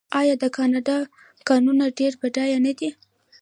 آیا د کاناډا کانونه ډیر بډایه نه دي؟